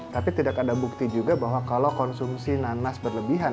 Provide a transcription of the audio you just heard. tapi tidak ada bukti juga bahwa kalau konsumsi nanas berlebihan